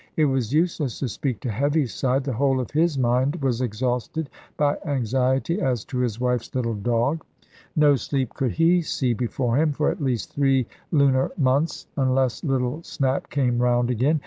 It was useless to speak to Heaviside. The whole of his mind was exhausted by anxiety as to his wife's little dog. No sleep could he see before him for at least three lunar months, unless little Snap came round again.